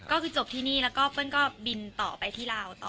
ก็คือจบที่นี่แล้วก็เปิ้ลก็บินต่อไปที่ลาวต่อ